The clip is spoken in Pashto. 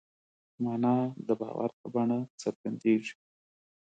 مانا د باور په بڼه څرګندېږي.